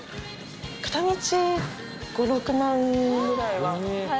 片道５６万くらいは。